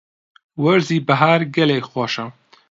وەرزی بەهار گەلێک خۆشە.